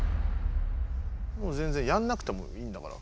もうぜんぜんやんなくてもいいんだから。